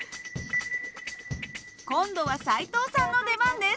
今度は斉藤さんの出番です。